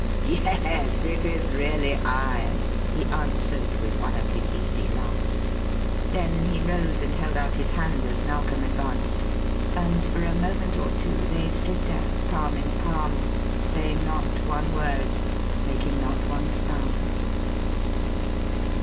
"Yes, it is really I," he answered with one of his easy laughs. Then he rose and held out his hand as Narkom advanced; and for a moment or two they stood there palm in palm, saying not one word, making not one sound.